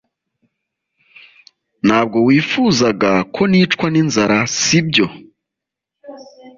Ntabwo wifuzaga ko nicwa n'inzara sibyo